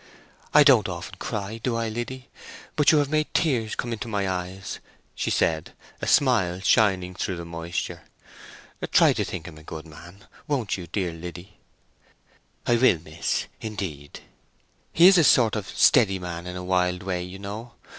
"I don't often cry, do I, Lidd? but you have made tears come into my eyes," she said, a smile shining through the moisture. "Try to think him a good man, won't you, dear Liddy?" "I will, miss, indeed." "He is a sort of steady man in a wild way, you know.